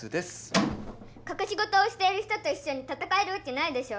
かくしごとをしている人といっしょに戦えるわけないでしょ。